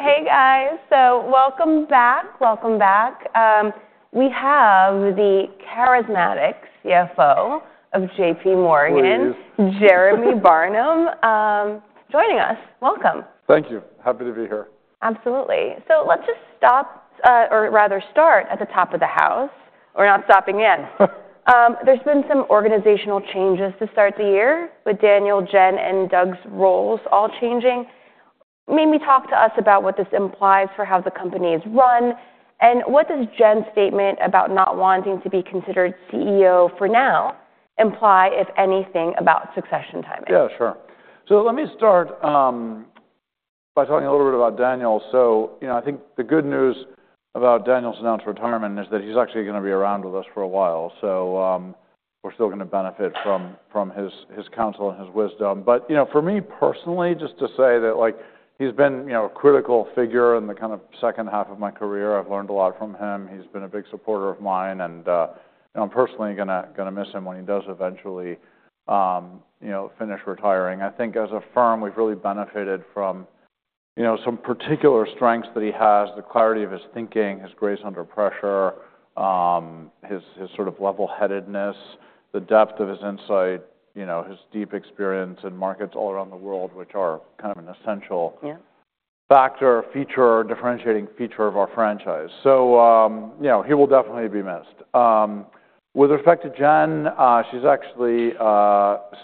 Hey, guys. So welcome back, welcome back. We have the charismatic CFO of JPMorgan. Good morning. Jeremy Barnum joining us. Welcome. Thank you. Happy to be here. Absolutely. So let's just stop, or rather start, at the top of the house. We're not stopping in. There's been some organizational changes to start the year, with Daniel, Jen, and Doug's roles all changing. Maybe talk to us about what this implies for how the company is run. And what does Jen's statement about not wanting to be considered CEO for now imply, if anything, about succession timing? Yeah, sure. So let me start by talking a little bit about Daniel. So I think the good news about Daniel's announced retirement is that he's actually going to be around with us for a while. So we're still going to benefit from his counsel and his wisdom. But for me personally, just to say that he's been a critical figure in the kind of second half of my career. I've learned a lot from him. He's been a big supporter of mine. And I'm personally going to miss him when he does eventually finish retiring. I think as a firm, we've really benefited from some particular strengths that he has: the clarity of his thinking, his grace under pressure, his sort of level-headedness, the depth of his insight, his deep experience in markets all around the world, which are kind of an essential factor, feature, differentiating feature of our franchise, so he will definitely be missed. With respect to Jen, she's actually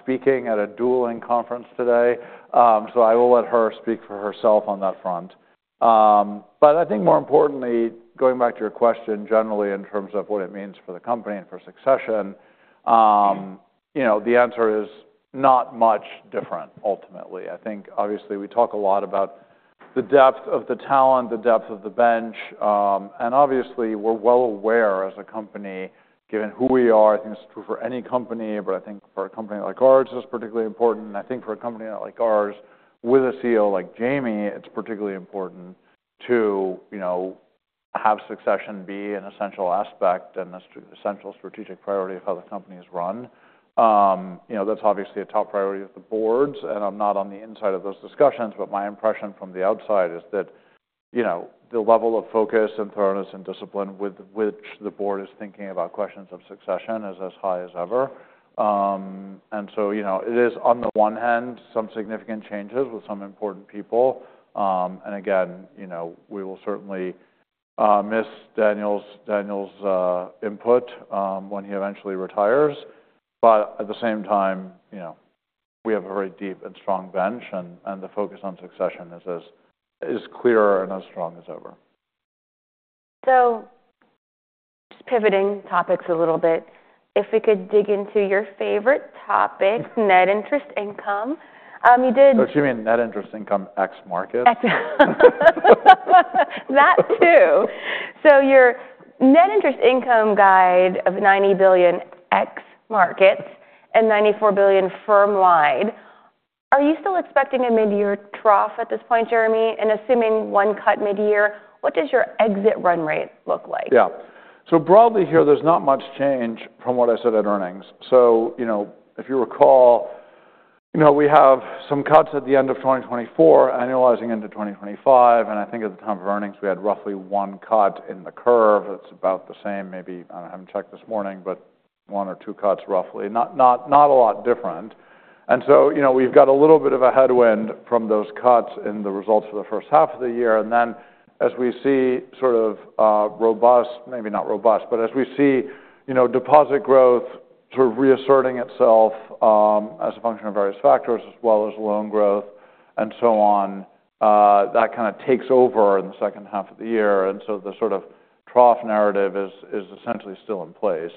speaking at a dueling conference today, so I will let her speak for herself on that front, but I think more importantly, going back to your question generally in terms of what it means for the company and for succession, the answer is not much different, ultimately. I think, obviously, we talk a lot about the depth of the talent, the depth of the bench, and obviously, we're well aware as a company, given who we are. I think this is true for any company. But I think for a company like ours, it's particularly important. And I think for a company like ours, with a CEO like Jamie, it's particularly important to have succession be an essential aspect and an essential strategic priority of how the company is run. That's obviously a top priority of the boards. And I'm not on the inside of those discussions. But my impression from the outside is that the level of focus and thoroughness and discipline with which the board is thinking about questions of succession is as high as ever. And so it is, on the one hand, some significant changes with some important people. And again, we will certainly miss Daniel's input when he eventually retires. But at the same time, we have a very deep and strong bench. The focus on succession is as clear and as strong as ever. So, just pivoting topics a little bit. If we could dig into your favorite topic, net interest income. You did. What did you mean, net interest income ex-markets? That too. So your net interest income guide of $90 billion ex-markets and $94 billion firm-wide, are you still expecting a mid-year trough at this point, Jeremy? And assuming one cut mid-year, what does your exit run rate look like? Yeah. So broadly here, there's not much change from what I said at earnings. So if you recall, we have some cuts at the end of 2024, annualizing into 2025. And I think at the time of earnings, we had roughly one cut in the curve. It's about the same, maybe. I haven't checked this morning, but one or two cuts, roughly. Not a lot different. And so we've got a little bit of a headwind from those cuts in the results for the first half of the year. And then as we see sort of robust, maybe not robust, but as we see deposit growth sort of reasserting itself as a function of various factors, as well as loan growth and so on, that kind of takes over in the second half of the year. And so the sort of trough narrative is essentially still in place.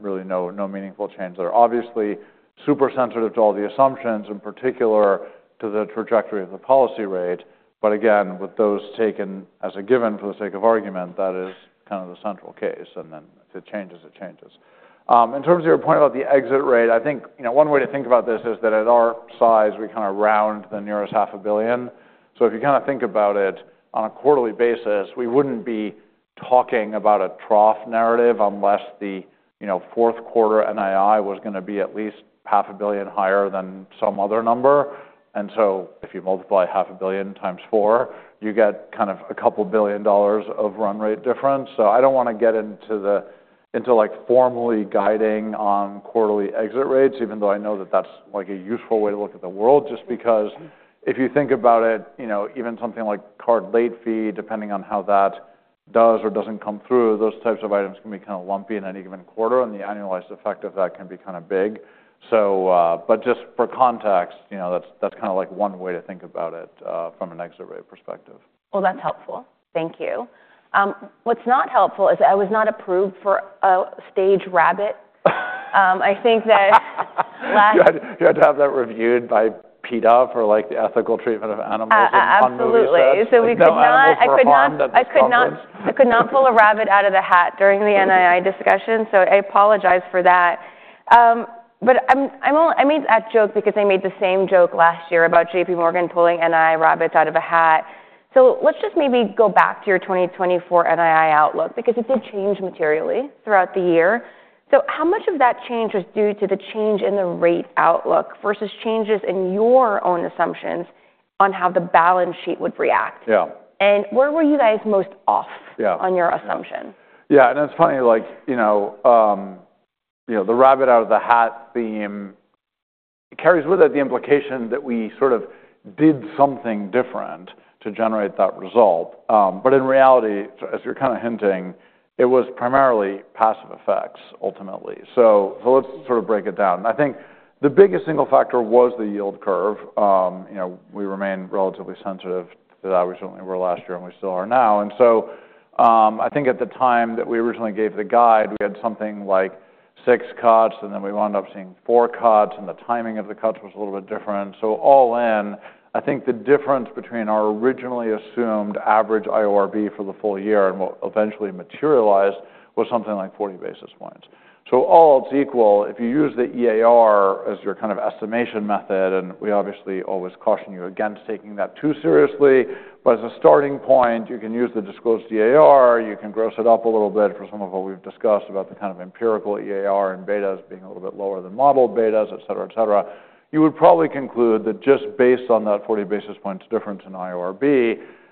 Really no meaningful change there. Obviously, super sensitive to all the assumptions, in particular to the trajectory of the policy rate. But again, with those taken as a given for the sake of argument, that is kind of the central case. And then if it changes, it changes. In terms of your point about the exit rate, I think one way to think about this is that at our size, we kind of round to the nearest $500 million. So if you kind of think about it on a quarterly basis, we wouldn't be talking about a trough narrative unless the fourth quarter NII was going to be at least $500 million higher than some other number. And so if you multiply $500 million times four, you get kind of $2 billion of run rate difference. So I don't want to get into formally guiding on quarterly exit rates, even though I know that that's a useful way to look at the world. Just because if you think about it, even something like card late fee, depending on how that does or doesn't come through, those types of items can be kind of lumpy in any given quarter. And the annualized effect of that can be kind of big. But just for context, that's kind of one way to think about it from an exit rate perspective. That's helpful. Thank you. What's not helpful is I was not approved for a stage rabbit. I think that last. You had to have that reviewed by PETA for the ethical treatment of animals and funding. Absolutely, so we could not. I could not. I could not pull a rabbit out of the hat during the NII discussion. So I apologize for that. But I made that joke because they made the same joke last year about JPMorgan pulling NII rabbits out of a hat. So let's just maybe go back to your 2024 NII outlook, because it did change materially throughout the year. So how much of that change was due to the change in the rate outlook versus changes in your own assumptions on how the balance sheet would react? Yeah. Where were you guys most off on your assumption? Yeah, and it's funny. The rabbit out of the hat theme carries with it the implication that we sort of did something different to generate that result, but in reality, as you're kind of hinting, it was primarily passive effects, ultimately, so let's sort of break it down. I think the biggest single factor was the yield curve. We remain relatively sensitive to that. We certainly were last year, and we still are now, and so I think at the time that we originally gave the guide, we had something like six cuts, and then we wound up seeing four cuts. And the timing of the cuts was a little bit different, so all in, I think the difference between our originally assumed average IORB for the full year and what eventually materialized was something like 40 basis points. So all else equal, if you use the EAR as your kind of estimation method, and we obviously always caution you against taking that too seriously. But as a starting point, you can use the disclosed EAR. You can gross it up a little bit for some of what we've discussed about the kind of empirical EAR and betas being a little bit lower than modeled betas, et cetera, et cetera. You would probably conclude that just based on that 40 basis points difference in IORB,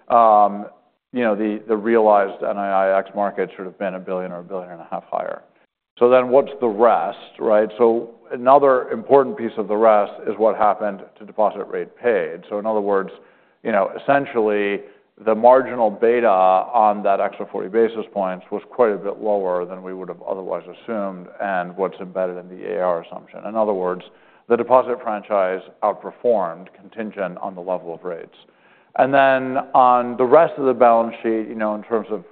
the realized NII X market should have been $1 billion or $1.5 billion higher. So then what's the rest? So another important piece of the rest is what happened to deposit rate paid. So in other words, essentially, the marginal beta on that extra 40 basis points was quite a bit lower than we would have otherwise assumed and what's embedded in the EAR assumption. In other words, the deposit franchise outperformed contingent on the level of rates. And then on the rest of the balance sheet, in terms of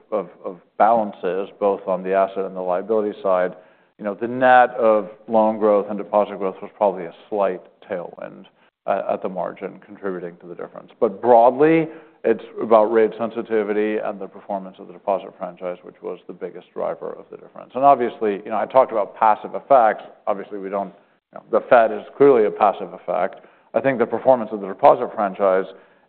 balances, both on the asset and the liability side, the net of loan growth and deposit growth was probably a slight tailwind at the margin contributing to the difference. But broadly, it's about rate sensitivity and the performance of the deposit franchise, which was the biggest driver of the difference. And obviously, I talked about passive effects. Obviously, the Fed is clearly a passive effect. I think the performance of the deposit franchise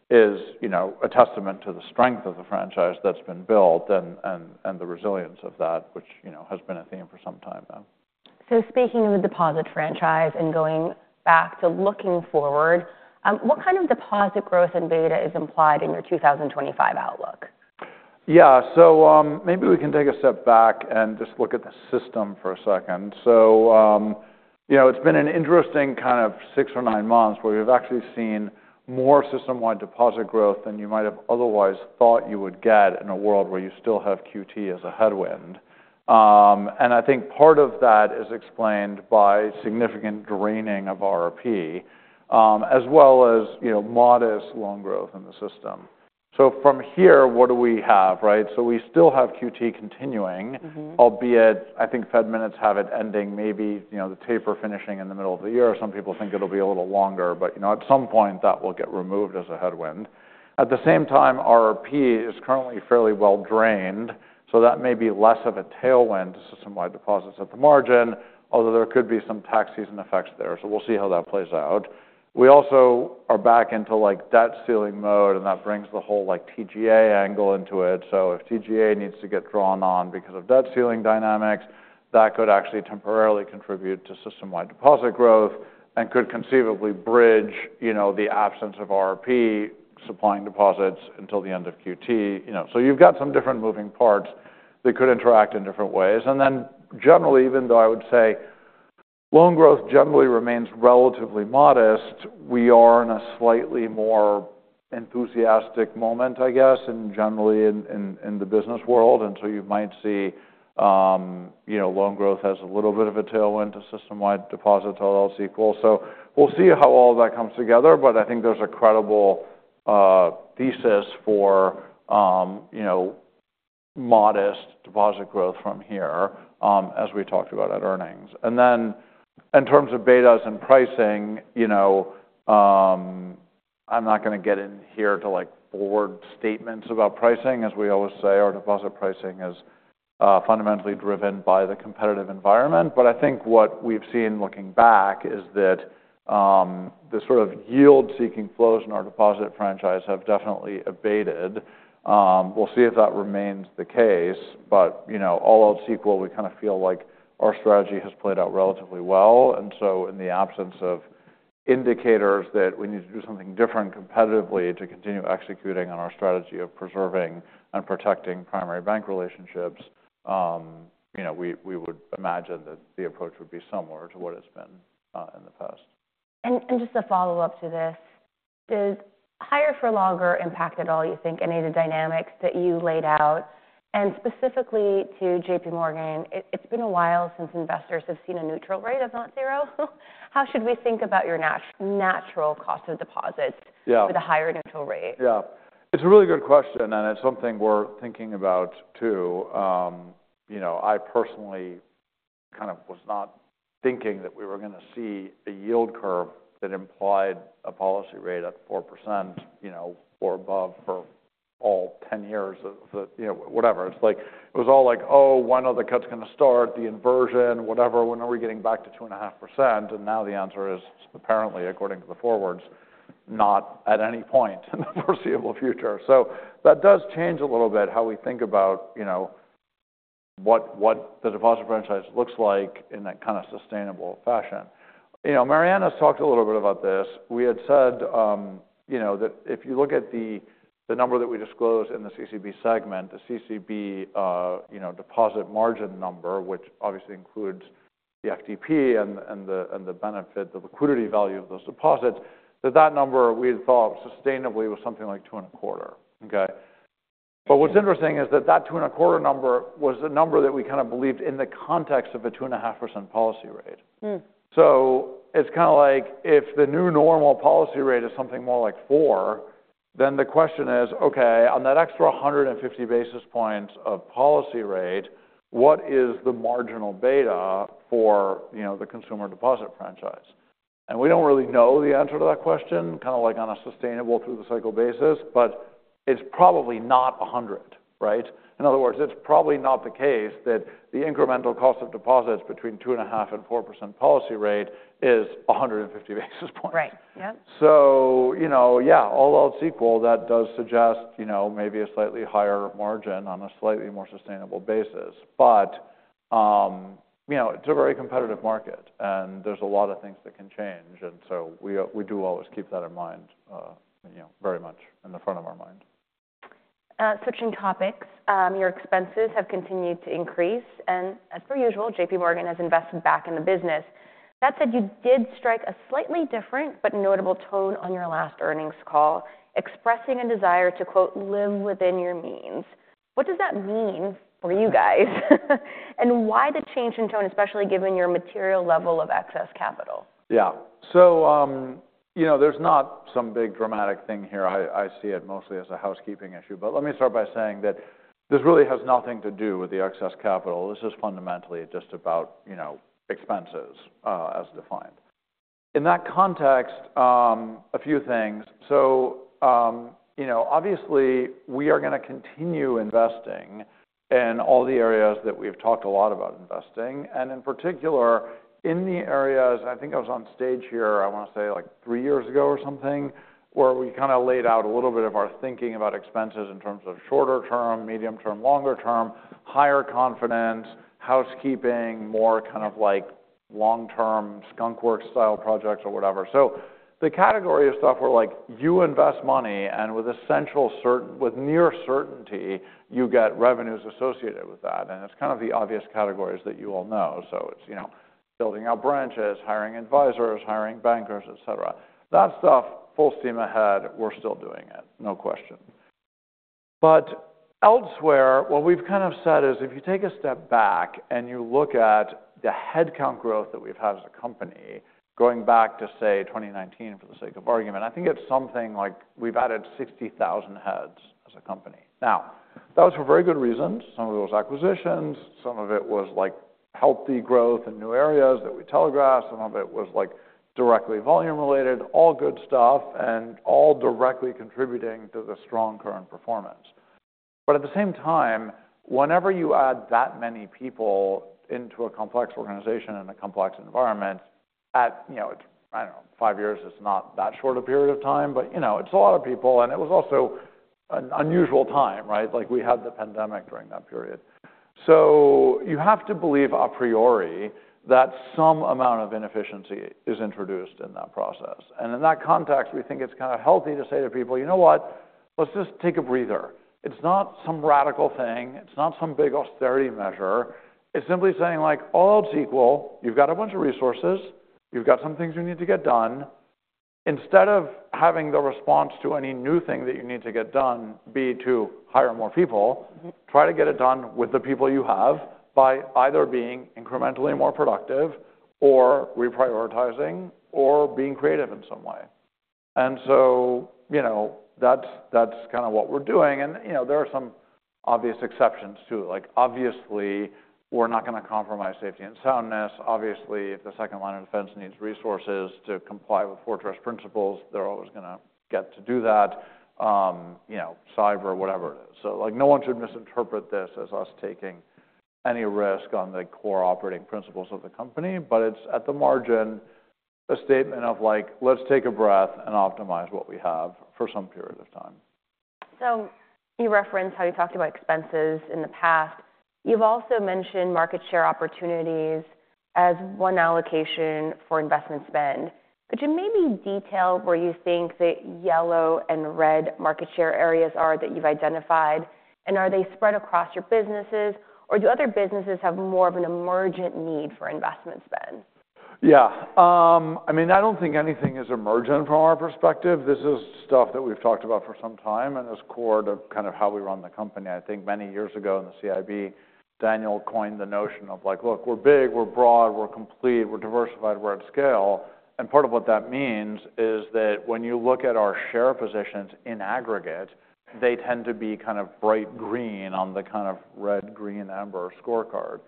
is a testament to the strength of the franchise that's been built and the resilience of that, which has been a theme for some time now. So speaking of the deposit franchise and going back to looking forward, what kind of deposit growth and beta is implied in your 2025 outlook? Yeah. So maybe we can take a step back and just look at the system for a second. So it's been an interesting kind of six or nine months where we've actually seen more system-wide deposit growth than you might have otherwise thought you would get in a world where you still have QT as a headwind. And I think part of that is explained by significant draining of RRP, as well as modest loan growth in the system. So from here, what do we have? So we still have QT continuing, albeit I think Fed minutes have it ending maybe the taper finishing in the middle of the year. Some people think it'll be a little longer. But at some point, that will get removed as a headwind. At the same time, RRP is currently fairly well drained. So that may be less of a tailwind to system-wide deposits at the margin, although there could be some tax season effects there. So we'll see how that plays out. We also are back into debt ceiling mode. And that brings the whole TGA angle into it. So if TGA needs to get drawn on because of debt ceiling dynamics, that could actually temporarily contribute to system-wide deposit growth and could conceivably bridge the absence of RRP supplying deposits until the end of QT. So you've got some different moving parts that could interact in different ways. And then generally, even though I would say loan growth generally remains relatively modest, we are in a slightly more enthusiastic moment, I guess, and generally in the business world. And so you might see loan growth has a little bit of a tailwind to system-wide deposits, all else equal. We'll see how all of that comes together. But I think there's a credible thesis for modest deposit growth from here, as we talked about at earnings. And then in terms of betas and pricing, I'm not going to get into broad statements about pricing, as we always say. Our deposit pricing is fundamentally driven by the competitive environment. But I think what we've seen looking back is that the sort of yield-seeking flows in our deposit franchise have definitely abated. We'll see if that remains the case. But all else equal, we kind of feel like our strategy has played out relatively well. And so in the absence of indicators that we need to do something different competitively to continue executing on our strategy of preserving and protecting primary bank relationships, we would imagine that the approach would be similar to what it's been in the past. And just a follow-up to this. Did higher for longer impact at all, you think, any of the dynamics that you laid out? And specifically to JPMorgan, it's been a while since investors have seen a neutral rate of not zero. How should we think about your neutral cost of deposits with a higher neutral rate? Yeah. It's a really good question. And it's something we're thinking about too. I personally kind of was not thinking that we were going to see a yield curve that implied a policy rate at 4% or above for all 10 years of whatever. It was all like, oh, when are the cuts going to start, the inversion, whatever. When are we getting back to 2.5%? And now the answer is, apparently, according to the forwards, not at any point in the foreseeable future. So that does change a little bit how we think about what the deposit franchise looks like in that kind of sustainable fashion. Marianne's talked a little bit about this. We had said that if you look at the number that we disclosed in the CCB segment, the CCB deposit margin number, which obviously includes the FTP and the benefit, the liquidity value of those deposits, that that number we had thought sustainably was something like 2.25%. But what's interesting is that that 2.25% number was a number that we kind of believed in the context of a 2.5% policy rate. So it's kind of like if the new normal policy rate is something more like 4%, then the question is, OK, on that extra 150 basis points of policy rate, what is the marginal beta for the consumer deposit franchise? And we don't really know the answer to that question, kind of like on a sustainable through-the-cycle basis. But it's probably not 100%. In other words, it's probably not the case that the incremental cost of deposits between 2.5% and 4% policy rate is 150 basis points. Right. Yeah. So yeah, all else equal, that does suggest maybe a slightly higher margin on a slightly more sustainable basis. But it's a very competitive market. And there's a lot of things that can change. And so we do always keep that in mind, very much in the front of our mind. Switching topics, your expenses have continued to increase. And as per usual, JPMorgan has invested back in the business. That said, you did strike a slightly different but notable tone on your last earnings call, expressing a desire to, quote, "live within your means." What does that mean for you guys? And why the change in tone, especially given your material level of excess capital? Yeah. So there's not some big dramatic thing here. I see it mostly as a housekeeping issue. But let me start by saying that this really has nothing to do with the excess capital. This is fundamentally just about expenses as defined. In that context, a few things. So obviously, we are going to continue investing in all the areas that we've talked a lot about investing. And in particular, in the areas I think I was on stage here, I want to say like three years ago or something, where we kind of laid out a little bit of our thinking about expenses in terms of shorter term, medium term, longer term, higher confidence, housekeeping, more kind of like long-term skunkworks style projects or whatever. So the category of stuff where you invest money, and with near certainty, you get revenues associated with that. It's kind of the obvious categories that you all know. It's building out branches, hiring advisors, hiring bankers, et cetera. That stuff, full steam ahead, we're still doing it, no question. Elsewhere, what we've kind of said is if you take a step back and you look at the headcount growth that we've had as a company, going back to, say, 2019, for the sake of argument, I think it's something like we've added 60,000 heads as a company. Now, that was for very good reasons. Some of it was acquisitions. Some of it was healthy growth in new areas that we telegraphed. Some of it was directly volume related, all good stuff, and all directly contributing to the strong current performance. But at the same time, whenever you add that many people into a complex organization in a complex environment, I don't know, five years is not that short a period of time. But it's a lot of people. And it was also an unusual time. We had the pandemic during that period. So you have to believe a priori that some amount of inefficiency is introduced in that process. And in that context, we think it's kind of healthy to say to people, you know what? Let's just take a breather. It's not some radical thing. It's not some big austerity measure. It's simply saying, all else equal, you've got a bunch of resources. You've got some things you need to get done. Instead of having the response to any new thing that you need to get done, be it to hire more people, try to get it done with the people you have by either being incrementally more productive or reprioritizing or being creative in some way. And so that's kind of what we're doing. And there are some obvious exceptions to it. Obviously, we're not going to compromise safety and soundness. Obviously, if the second line of defense needs resources to comply with fortress principles, they're always going to get to do that, cyber, whatever it is. So no one should misinterpret this as us taking any risk on the core operating principles of the company. But it's, at the margin, a statement of, let's take a breath and optimize what we have for some period of time. So you referenced how you talked about expenses in the past. You've also mentioned market share opportunities as one allocation for investment spend. Could you maybe detail where you think the yellow and red market share areas are that you've identified? And are they spread across your businesses? Or do other businesses have more of an emergent need for investment spend? Yeah. I mean, I don't think anything is emergent from our perspective. This is stuff that we've talked about for some time and is core to kind of how we run the company. I think many years ago in the CIB, Daniel coined the notion of, look, we're big, we're broad, we're complete, we're diversified, we're at scale. And part of what that means is that when you look at our share positions in aggregate, they tend to be kind of bright green on the kind of red, green, amber scorecard.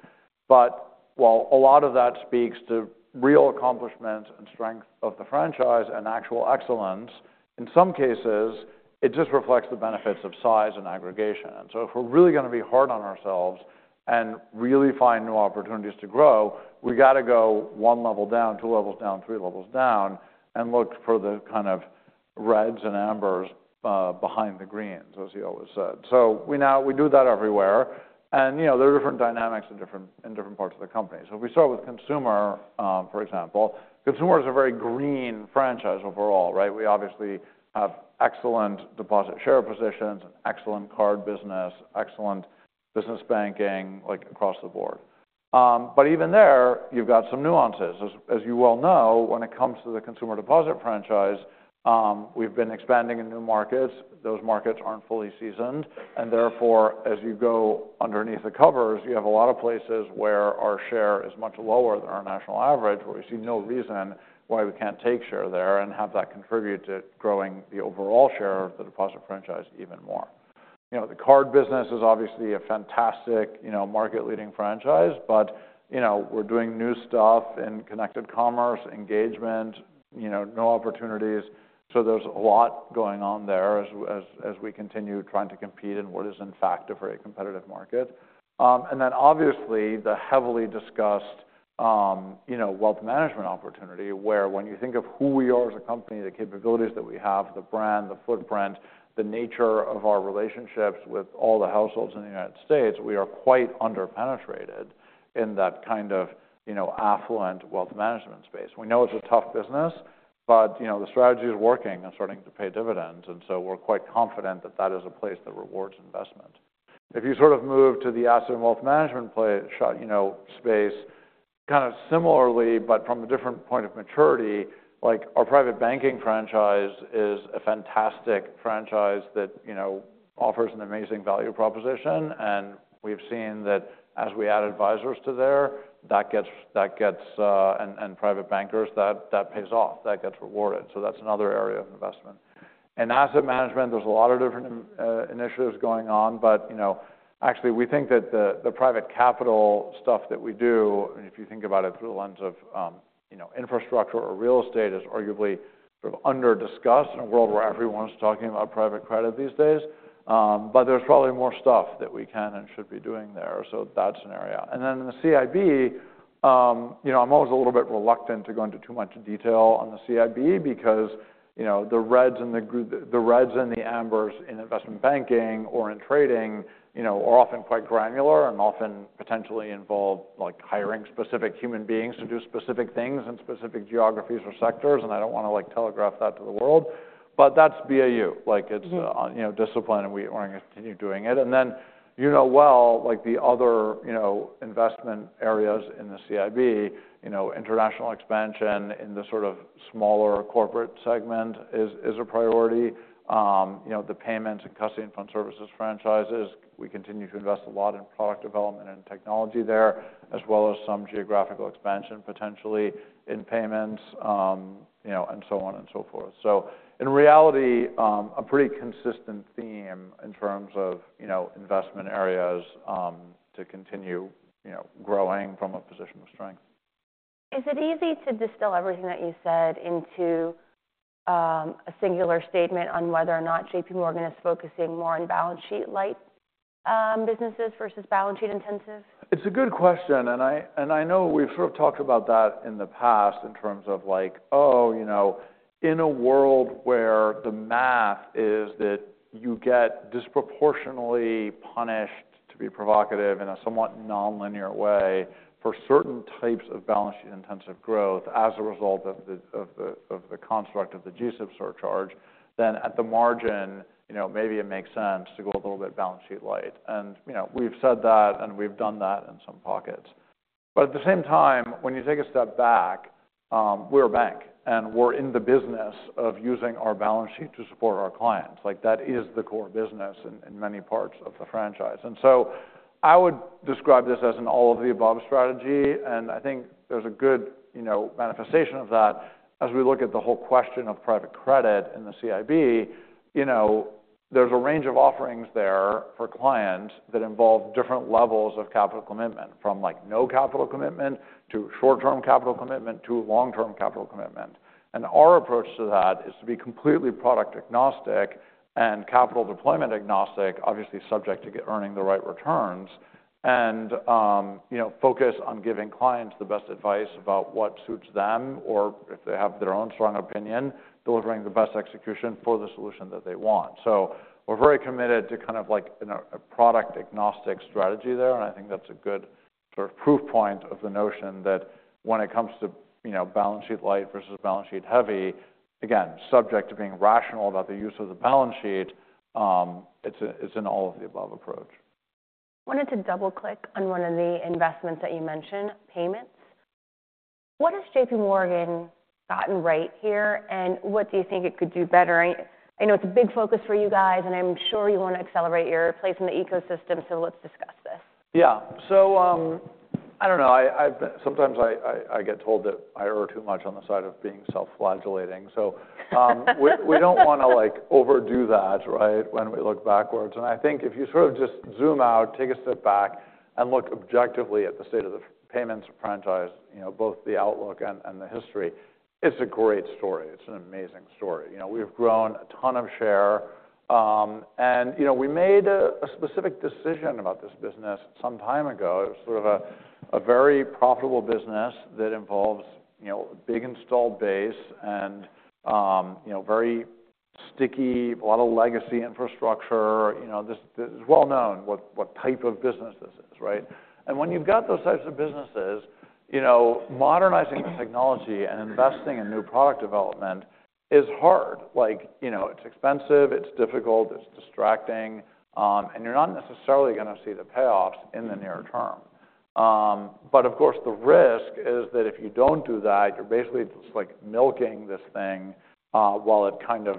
But while a lot of that speaks to real accomplishments and strength of the franchise and actual excellence, in some cases, it just reflects the benefits of size and aggregation. And so if we're really going to be hard on ourselves and really find new opportunities to grow, we've got to go one level down, two levels down, three levels down, and look for the kind of reds and ambers behind the greens, as he always said. So we do that everywhere. And there are different dynamics in different parts of the company. So if we start with consumer, for example, consumer is a very green franchise overall. We obviously have excellent deposit share positions, excellent card business, excellent business banking across the board. But even there, you've got some nuances. As you well know, when it comes to the consumer deposit franchise, we've been expanding in new markets. Those markets aren't fully seasoned. And therefore, as you go underneath the covers, you have a lot of places where our share is much lower than our national average, where we see no reason why we can't take share there and have that contribute to growing the overall share of the deposit franchise even more. The card business is obviously a fantastic market-leading franchise. But we're doing new stuff in Connected Commerce, engagement, new opportunities. So there's a lot going on there as we continue trying to compete in what is, in fact, a very competitive market. And then obviously, the heavily discussed wealth management opportunity, where when you think of who we are as a company, the capabilities that we have, the brand, the footprint, the nature of our relationships with all the households in the United States, we are quite underpenetrated in that kind of affluent wealth management space. We know it's a tough business, but the strategy is working and starting to pay dividends, and so we're quite confident that that is a place that rewards investment. If you sort of move to the asset and wealth management space, kind of similarly, but from a different point of maturity, our private banking franchise is a fantastic franchise that offers an amazing value proposition, and we've seen that as we add advisors to there, that gets and private bankers, that pays off, that gets rewarded, so that's another area of investment. In asset management, there's a lot of different initiatives going on, but actually, we think that the private capital stuff that we do, if you think about it through the lens of infrastructure or real estate, is arguably sort of underdiscussed in a world where everyone's talking about private credit these days. But there's probably more stuff that we can and should be doing there, so that's an area. And then in the CIB, I'm always a little bit reluctant to go into too much detail on the CIB because the reds and the ambers in investment banking or in trading are often quite granular and often potentially involve hiring specific human beings to do specific things in specific geographies or sectors. And I don't want to telegraph that to the world. But that's BAU. It's discipline, and we want to continue doing it. And then you know well, the other investment areas in the CIB, international expansion in the sort of smaller corporate segment is a priority. The payments and custody and fund services franchises, we continue to invest a lot in product development and technology there, as well as some geographical expansion potentially in payments and so on and so forth. So in reality, a pretty consistent theme in terms of investment areas to continue growing from a position of strength. Is it easy to distill everything that you said into a singular statement on whether or not JPMorgan is focusing more on balance sheet-light businesses versus balance sheet intensive? It's a good question. And I know we've sort of talked about that in the past in terms of, oh, in a world where the math is that you get disproportionately punished, to be provocative in a somewhat non-linear way, for certain types of balance sheet intensive growth as a result of the construct of the GSIB surcharge, then at the margin, maybe it makes sense to go a little bit balance sheet light. And we've said that, and we've done that in some pockets. But at the same time, when you take a step back, we're a bank. And we're in the business of using our balance sheet to support our clients. That is the core business in many parts of the franchise. And so I would describe this as an all of the above strategy. I think there's a good manifestation of that as we look at the whole question of private credit in the CIB. There's a range of offerings there for clients that involve different levels of capital commitment, from no capital commitment to short-term capital commitment to long-term capital commitment. Our approach to that is to be completely product agnostic and capital deployment agnostic, obviously subject to earning the right returns, and focus on giving clients the best advice about what suits them, or if they have their own strong opinion, delivering the best execution for the solution that they want. We're very committed to kind of a product agnostic strategy there. I think that's a good sort of proof point of the notion that when it comes to balance sheet light versus balance sheet heavy, again, subject to being rational about the use of the balance sheet, it's an all of the above approach. I wanted to double-click on one of the investments that you mentioned, payments. What has JPMorgan gotten right here, and what do you think it could do better? I know it's a big focus for you guys, and I'm sure you want to accelerate your place in the ecosystem, so let's discuss this. Yeah, so I don't know. Sometimes I get told that I err too much on the side of being self-flagellating. So we don't want to overdo that when we look backwards, and I think if you sort of just zoom out, take a step back, and look objectively at the state of the payments franchise, both the outlook and the history, it's a great story. It's an amazing story. We've grown a ton of share, and we made a specific decision about this business some time ago. It was sort of a very profitable business that involves a big installed base and very sticky, a lot of legacy infrastructure. It's well known what type of business this is, and when you've got those types of businesses, modernizing the technology and investing in new product development is hard. It's expensive. It's difficult. It's distracting. You're not necessarily going to see the payoffs in the near term. Of course, the risk is that if you don't do that, you're basically just milking this thing while it kind of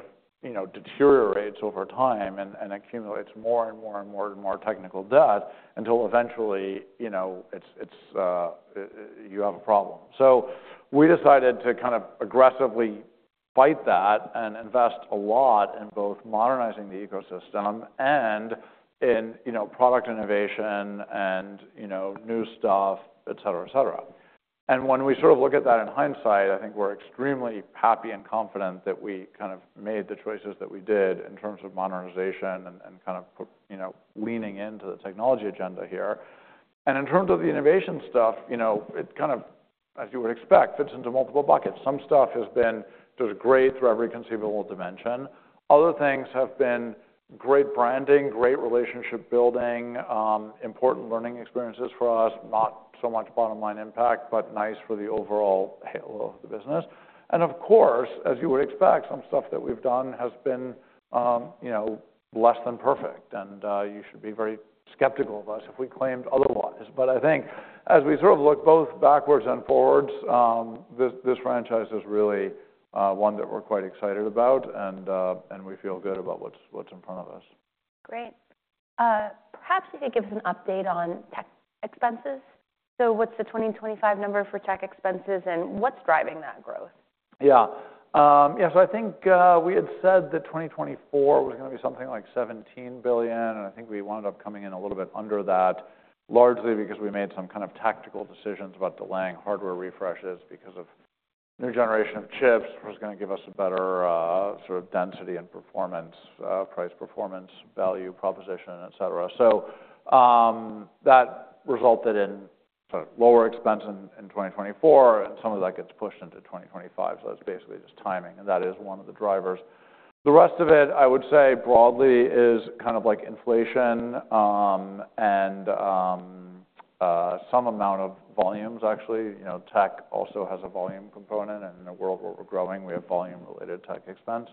deteriorates over time and accumulates more and more and more and more technical debt until eventually you have a problem. We decided to kind of aggressively fight that and invest a lot in both modernizing the ecosystem and in product innovation and new stuff, et cetera, et cetera. When we sort of look at that in hindsight, I think we're extremely happy and confident that we kind of made the choices that we did in terms of modernization and kind of leaning into the technology agenda here. In terms of the innovation stuff, it kind of, as you would expect, fits into multiple buckets. Some stuff has been just great through every conceivable dimension. Other things have been great branding, great relationship building, important learning experiences for us, not so much bottom line impact, but nice for the overall halo of the business. And of course, as you would expect, some stuff that we've done has been less than perfect. And you should be very skeptical of us if we claimed otherwise. But I think as we sort of look both backwards and forwards, this franchise is really one that we're quite excited about. And we feel good about what's in front of us. Great. Perhaps you could give us an update on tech expenses. What's the 2025 number for tech expenses? What's driving that growth? Yeah. Yeah. So I think we had said that 2024 was going to be something like $17 billion. And I think we wound up coming in a little bit under that, largely because we made some kind of tactical decisions about delaying hardware refreshes because of new generation of chips, which was going to give us a better sort of density and performance, price performance, value proposition, et cetera. So that resulted in sort of lower expense in 2024. And some of that gets pushed into 2025. So it's basically just timing. And that is one of the drivers. The rest of it, I would say, broadly is kind of like inflation and some amount of volumes, actually. Tech also has a volume component. And in a world where we're growing, we have volume-related tech expense.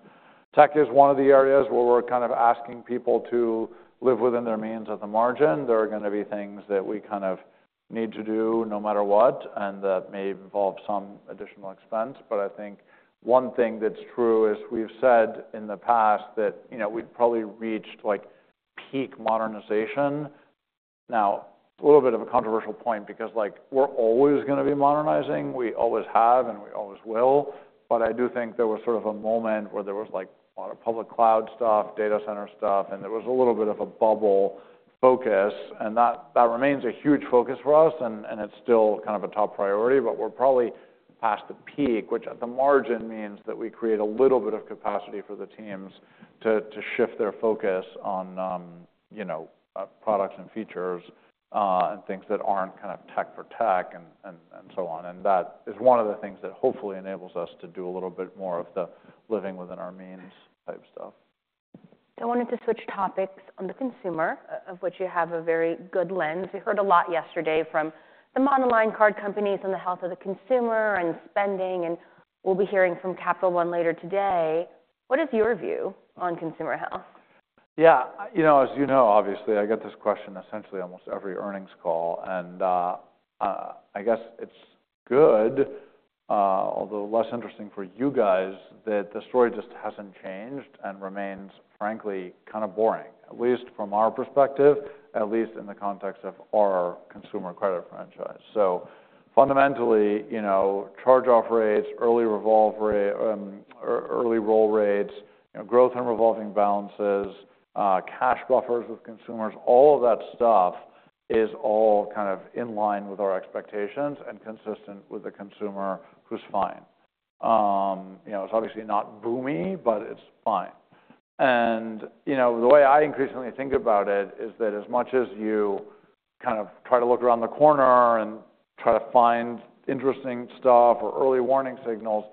Tech is one of the areas where we're kind of asking people to live within their means at the margin. There are going to be things that we kind of need to do no matter what, and that may involve some additional expense, but I think one thing that's true is we've said in the past that we'd probably reached peak modernization. Now, a little bit of a controversial point because we're always going to be modernizing, we always have, and we always will, but I do think there was sort of a moment where there was a lot of public cloud stuff, data center stuff, and there was a little bit of a bubble focus, and that remains a huge focus for us, and it's still kind of a top priority. But we're probably past the peak, which at the margin means that we create a little bit of capacity for the teams to shift their focus on products and features and things that aren't kind of tech for tech and so on. And that is one of the things that hopefully enables us to do a little bit more of the living within our means type stuff. I wanted to switch topics on the consumer, of which you have a very good lens. We heard a lot yesterday from the monoline card companies on the health of the consumer and spending. And we'll be hearing from Capital One later today. What is your view on consumer health? Yeah. As you know, obviously, I get this question essentially almost every earnings call. And I guess it's good, although less interesting for you guys, that the story just hasn't changed and remains, frankly, kind of boring, at least from our perspective, at least in the context of our consumer credit franchise. So fundamentally, charge-off rates, early roll rates, growth and revolving balances, cash buffers with consumers, all of that stuff is all kind of in line with our expectations and consistent with the consumer, who's fine. It's obviously not boomy, but it's fine. And the way I increasingly think about it is that as much as you kind of try to look around the corner and try to find interesting stuff or early warning signals,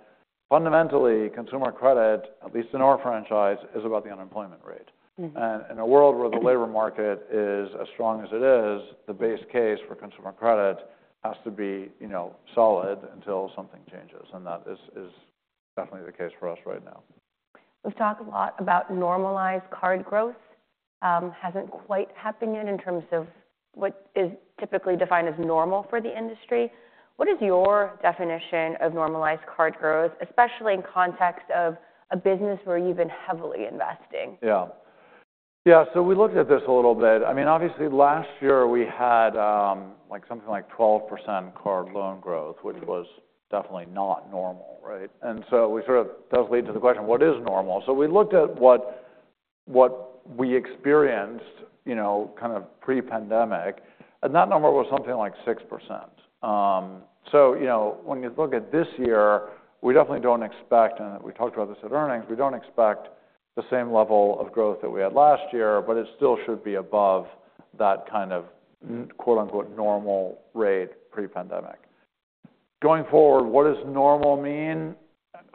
fundamentally, consumer credit, at least in our franchise, is about the unemployment rate. In a world where the labor market is as strong as it is, the base case for consumer credit has to be solid until something changes. That is definitely the case for us right now. We've talked a lot about normalized card growth. Hasn't quite happened yet in terms of what is typically defined as normal for the industry. What is your definition of normalized card growth, especially in context of a business where you've been heavily investing? Yeah. Yeah. So we looked at this a little bit. I mean, obviously, last year, we had something like 12% card loan growth, which was definitely not normal. And so it does lead to the question, what is normal? So we looked at what we experienced kind of pre-pandemic. And that number was something like six%. So when you look at this year, we definitely don't expect, and we talked about this at earnings, we don't expect the same level of growth that we had last year. But it still should be above that kind of "normal" rate pre-pandemic. Going forward, what does normal mean?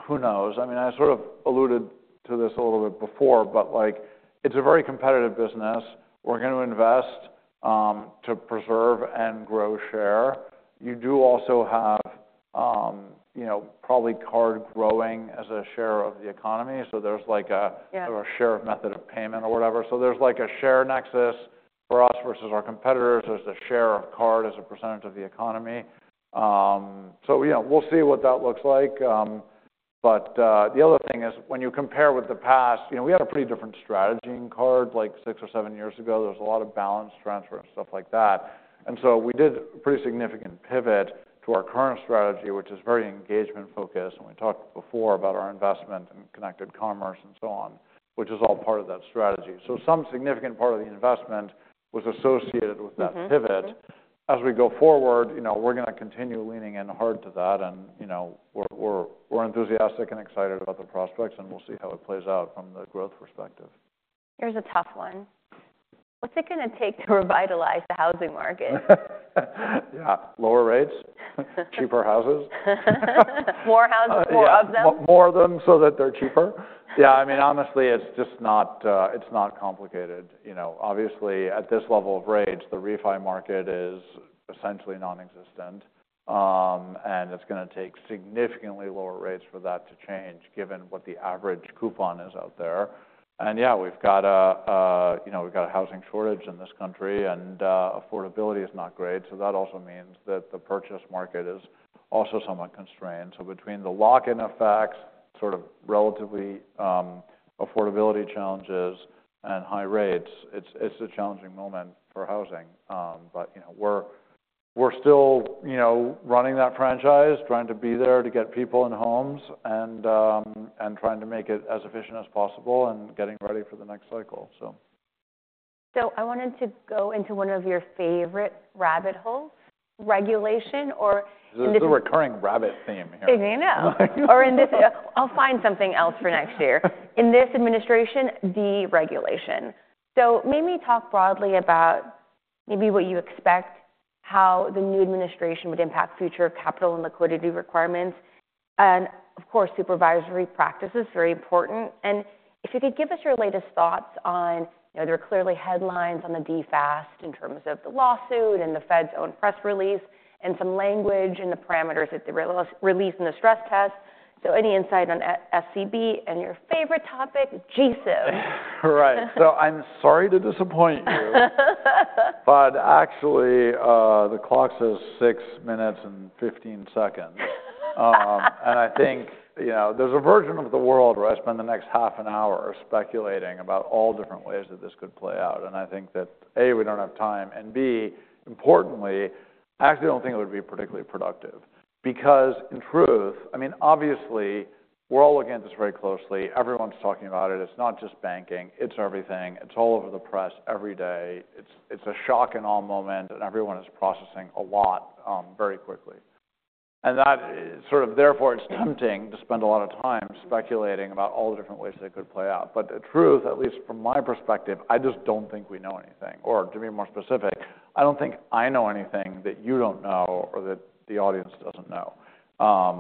Who knows? I mean, I sort of alluded to this a little bit before. But it's a very competitive business. We're going to invest to preserve and grow share. You do also have probably card growing as a share of the economy. There's a share of method of payment or whatever. There's a share nexus for us versus our competitors. There's a share of card as a percentage of the economy. We'll see what that looks like. The other thing is when you compare with the past, we had a pretty different strategy in card. Like six or seven years ago, there was a lot of balance transfer and stuff like that. We did a pretty significant pivot to our current strategy, which is very engagement-focused. We talked before about our investment and Connected Commerce and so on, which is all part of that strategy. Some significant part of the investment was associated with that pivot. As we go forward, we're going to continue leaning in hard to that. We're enthusiastic and excited about the prospects. We'll see how it plays out from the growth perspective. Here's a tough one. What's it going to take to revitalize the housing market? Yeah. Lower rates, cheaper houses. More houses, more of them. More of them so that they're cheaper. Yeah. I mean, honestly, it's not complicated. Obviously, at this level of rates, the refi market is essentially nonexistent. And it's going to take significantly lower rates for that to change, given what the average coupon is out there. And yeah, we've got a housing shortage in this country. And affordability is not great. So that also means that the purchase market is also somewhat constrained. So between the lock-in effects, sort of relatively affordability challenges, and high rates, it's a challenging moment for housing. But we're still running that franchise, trying to be there to get people in homes, and trying to make it as efficient as possible and getting ready for the next cycle, so. So I wanted to go into one of your favorite rabbit holes, regulation or. This is a recurring rabbit theme here. I know. Or I'll find something else for next year. In this administration, deregulation. So maybe talk broadly about maybe what you expect, how the new administration would impact future capital and liquidity requirements. And of course, supervisory practice is very important. And if you could give us your latest thoughts on there are clearly headlines on the DFAST in terms of the lawsuit and the Fed's own press release and some language and the parameters that they released in the stress test. So any insight on SCB and your favorite topic, G-SIB? Right. So I'm sorry to disappoint you, but actually, the clock says six minutes and 15 seconds, and I think there's a version of the world where I spend the next half an hour speculating about all different ways that this could play out, and I think that, A, we don't have time, and B, importantly, I actually don't think it would be particularly productive. Because in truth, I mean, obviously, we're all looking at this very closely. Everyone's talking about it. It's not just banking. It's everything. It's all over the press every day. It's a shock and awe moment, and everyone is processing a lot very quickly, and that sort of therefore, it's tempting to spend a lot of time speculating about all the different ways that it could play out, but the truth, at least from my perspective, I just don't think we know anything. Or to be more specific, I don't think I know anything that you don't know or that the audience doesn't know.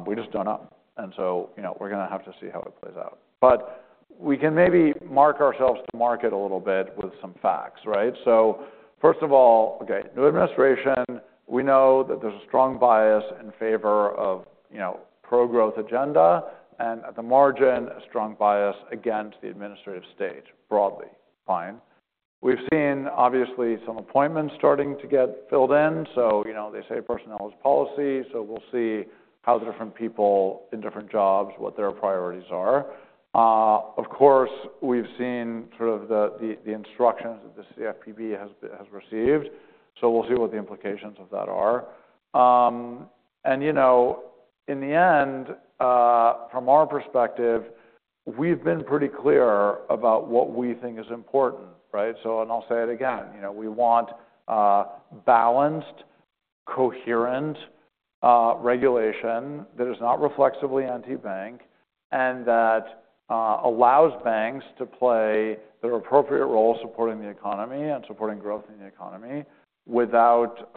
We just don't know. And so we're going to have to see how it plays out. But we can maybe mark ourselves to market a little bit with some facts. So first of all, okay, new administration, we know that there's a strong bias in favor of pro-growth agenda. And at the margin, a strong bias against the administrative state broadly. Fine. We've seen, obviously, some appointments starting to get filled in. So they say personnel is policy. So we'll see how the different people in different jobs, what their priorities are. Of course, we've seen sort of the instructions that the CFPB has received. So we'll see what the implications of that are. And in the end, from our perspective, we've been pretty clear about what we think is important. And I'll say it again. We want balanced, coherent regulation that is not reflexively anti-bank and that allows banks to play their appropriate role supporting the economy and supporting growth in the economy without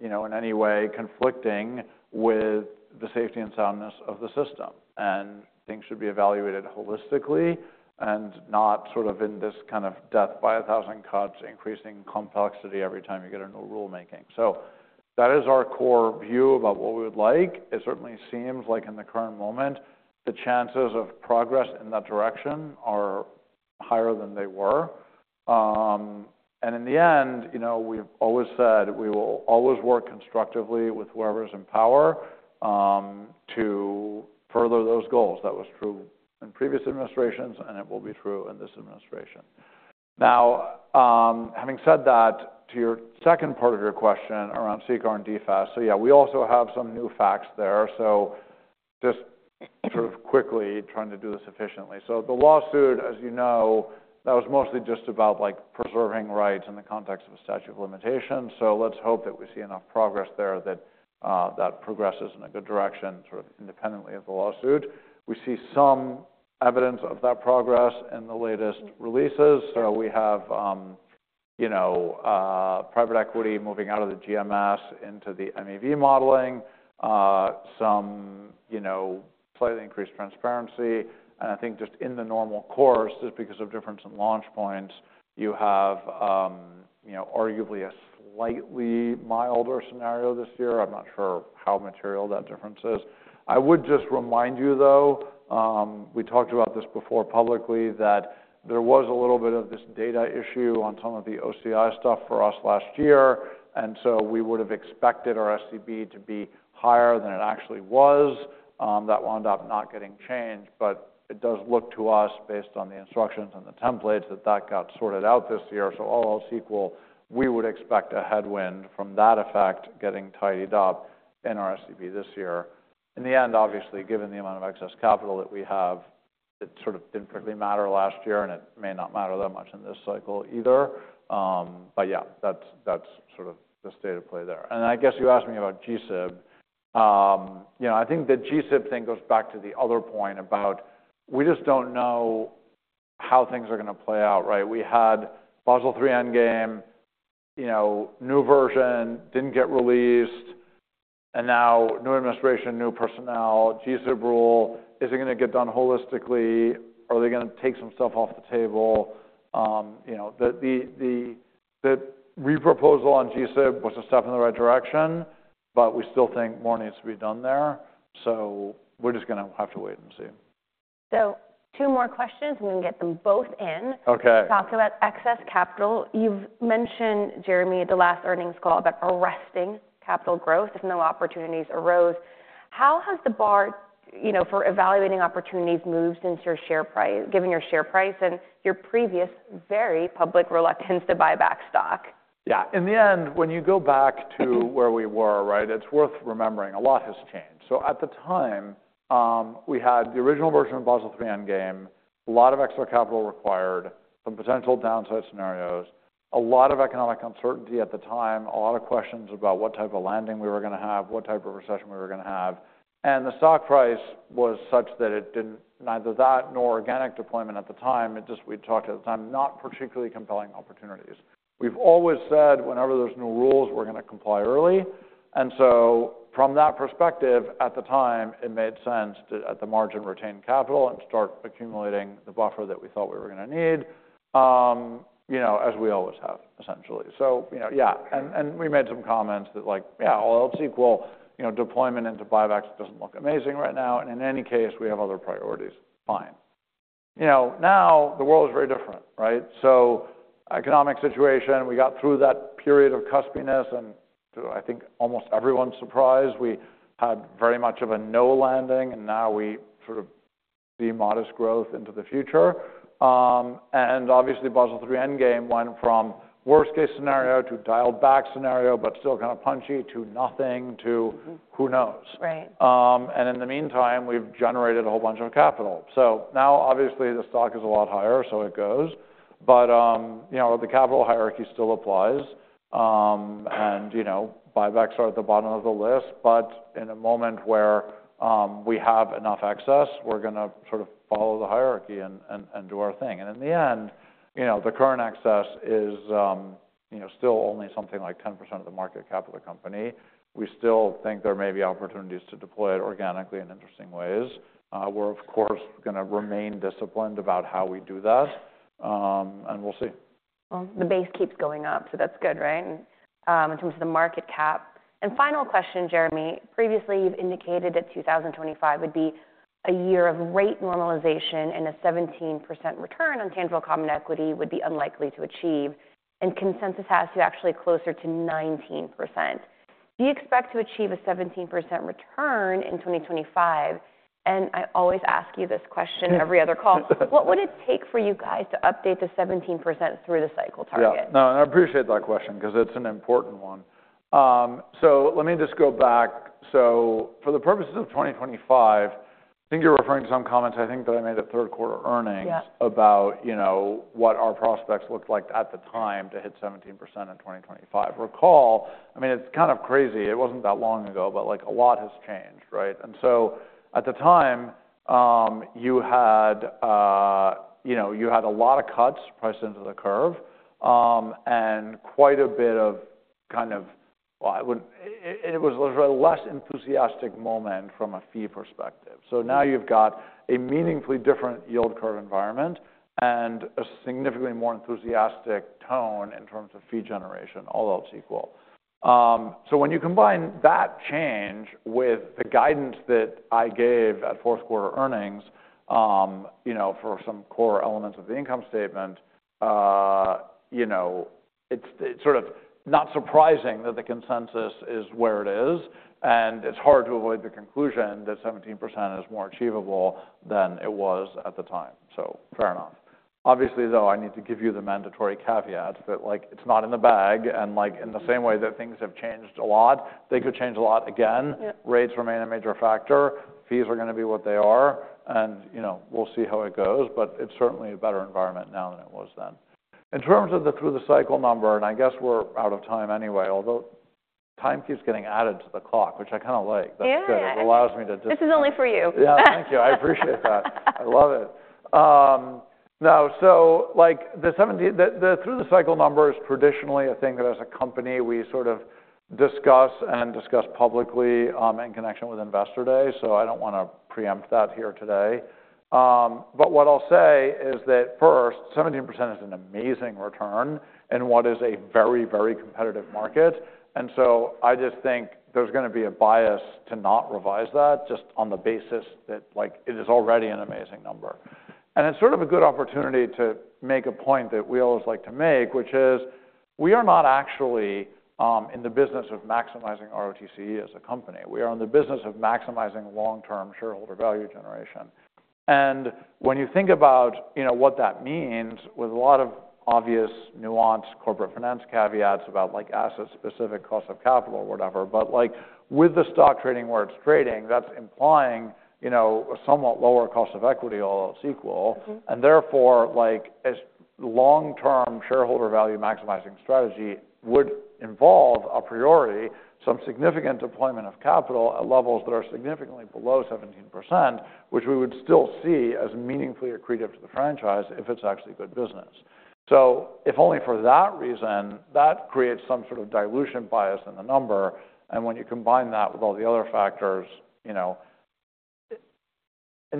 in any way conflicting with the safety and soundness of the system. And things should be evaluated holistically and not sort of in this kind of death by a thousand cuts, increasing complexity every time you get a new rulemaking. So that is our core view about what we would like. It certainly seems like in the current moment, the chances of progress in that direction are higher than they were. And in the end, we've always said we will always work constructively with whoever is in power to further those goals. That was true in previous administrations. And it will be true in this administration. Now, having said that, to your second part of your question around CCAR and DFAST, so yeah, we also have some new facts there. So just sort of quickly trying to do this efficiently. So the lawsuit, as you know, that was mostly just about preserving rights in the context of a statute of limitations. So let's hope that we see enough progress there that that progresses in a good direction sort of independently of the lawsuit. We see some evidence of that progress in the latest releases. So we have private equity moving out of the GMS into the MEV modeling, some slightly increased transparency. And I think just in the normal course, just because of difference in launch points, you have arguably a slightly milder scenario this year. I'm not sure how material that difference is. I would just remind you, though, we talked about this before publicly, that there was a little bit of this data issue on some of the OCI stuff for us last year, and so we would have expected our SCB to be higher than it actually was. That wound up not getting changed, but it does look to us, based on the instructions and the templates, that that got sorted out this year, so all else equal, we would expect a headwind from that effect getting tidied up in our SCB this year. In the end, obviously, given the amount of excess capital that we have, it sort of didn't particularly matter last year, and it may not matter that much in this cycle either, but yeah, that's sort of the state of play there, and I guess you asked me about GSIB. I think the GSIB thing goes back to the other point about we just don't know how things are going to play out. We had Basel III Endgame, new version, didn't get released, and now new administration, new personnel, GSIB rule. Is it going to get done holistically? Are they going to take some stuff off the table? The re-proposal on GSIB was a step in the right direction, but we still think more needs to be done there, so we're just going to have to wait and see. So, two more questions. I'm going to get them both in. Talk about excess capital. You've mentioned, Jeremy, at the last earnings call about arresting capital growth if no opportunities arose. How has the bar for evaluating opportunities moved since your share price, given your share price and your previous very public reluctance to buy back stock? Yeah. In the end, when you go back to where we were, it's worth remembering a lot has changed. So at the time, we had the original version of Basel III Endgame, a lot of extra capital required, some potential downside scenarios, a lot of economic uncertainty at the time, a lot of questions about what type of landing we were going to have, what type of recession we were going to have. And the stock price was such that it didn't neither that nor organic deployment at the time. It just, we talked at the time, not particularly compelling opportunities. We've always said whenever there's new rules, we're going to comply early. And so from that perspective, at the time, it made sense to, at the margin, retain capital and start accumulating the buffer that we thought we were going to need, as we always have, essentially. So yeah. And we made some comments that, yeah, all else equal, deployment into buybacks doesn't look amazing right now. And in any case, we have other priorities. Fine. Now the world is very different. So economic situation, we got through that period of cuspiness. And to, I think, almost everyone's surprise, we had very much of a no landing. And now we sort of see modest growth into the future. And obviously, Basel III Endgame went from worst-case scenario to dialed-back scenario, but still kind of punchy, to nothing, to who knows. And in the meantime, we've generated a whole bunch of capital. So now, obviously, the stock is a lot higher. So it goes. But the capital hierarchy still applies. And buybacks are at the bottom of the list. But in a moment where we have enough excess, we're going to sort of follow the hierarchy and do our thing. In the end, the current excess is still only something like 10% of the market cap of the company. We still think there may be opportunities to deploy it organically in interesting ways. We're, of course, going to remain disciplined about how we do that. And we'll see. The base keeps going up. So that's good, right, in terms of the market cap. Final question, Jeremy. Previously, you've indicated that 2025 would be a year of rate normalization and a 17% return on tangible common equity would be unlikely to achieve. Consensus has you actually closer to 19%. Do you expect to achieve a 17% return in 2025? I always ask you this question every other call. What would it take for you guys to update the 17% through the cycle target? Yeah. No, and I appreciate that question because it's an important one. So let me just go back. So for the purposes of 2025, I think you're referring to some comments, I think, that I made at third quarter earnings about what our prospects looked like at the time to hit 17% in 2025. Recall, I mean, it's kind of crazy. It wasn't that long ago. But a lot has changed. And so at the time, you had a lot of cuts priced into the curve and quite a bit of kind of, well, it was a less enthusiastic moment from a fee perspective. So now you've got a meaningfully different yield curve environment and a significantly more enthusiastic tone in terms of fee generation, all else equal. So when you combine that change with the guidance that I gave at fourth quarter earnings for some core elements of the income statement, it's sort of not surprising that the consensus is where it is. And it's hard to avoid the conclusion that 17% is more achievable than it was at the time. So fair enough. Obviously, though, I need to give you the mandatory caveat that it's not in the bag. And in the same way that things have changed a lot, they could change a lot again. Rates remain a major factor. Fees are going to be what they are. And we'll see how it goes. But it's certainly a better environment now than it was then. In terms of the through-the-cycle number, and I guess we're out of time anyway, although time keeps getting added to the clock, which I kind of like. That's good. It allows me to. This is only for you. Yeah. Thank you. I appreciate that. I love it. Now, so the through-the-cycle number is traditionally a thing that, as a company, we sort of discuss and discuss publicly in connection with Investor Day. So I don't want to preempt that here today. But what I'll say is that, first, 17% is an amazing return in what is a very, very competitive market. And so I just think there's going to be a bias to not revise that just on the basis that it is already an amazing number. And it's sort of a good opportunity to make a point that we always like to make, which is we are not actually in the business of maximizing ROTCE as a company. We are in the business of maximizing long-term shareholder value generation. When you think about what that means with a lot of obvious nuanced corporate finance caveats about asset-specific cost of capital or whatever, but with the stock trading where it's trading, that's implying a somewhat lower cost of equity, all else equal. Therefore, a long-term shareholder value maximizing strategy would involve, a priori, some significant deployment of capital at levels that are significantly below 17%, which we would still see as meaningfully accretive to the franchise if it's actually good business. If only for that reason, that creates some sort of dilution bias in the number. When you combine that with all the other factors, in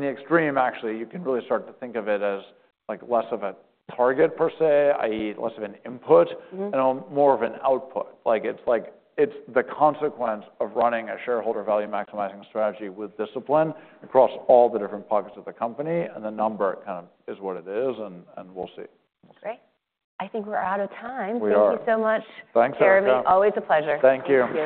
the extreme, actually, you can really start to think of it as less of a target, per se, i.e., less of an input and more of an output. It's the consequence of running a shareholder value maximizing strategy with discipline across all the different pockets of the company. And the number kind of is what it is. And we'll see. Great. I think we're out of time. Thank you so much, Jeremy. Thanks, Axel. Always a pleasure. Thank you.